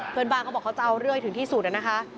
เพื่อนบ้านเขาบอกจะเอาเรื่อยถึงที่สุดนะคะ